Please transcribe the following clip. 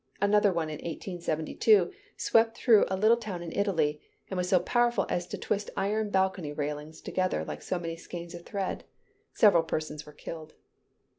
Another one in 1872, swept through a little town in Italy, and was so powerful as to twist iron balcony railings together like so many skeins of thread. Several persons were killed.